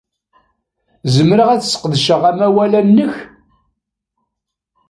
Zemreɣ ad sqedceɣ amawal-a-nnek?